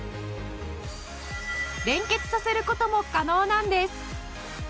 連結させる事も可能なんです。